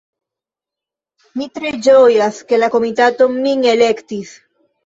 Mi tre ĝojas, ke la komitato min elektis.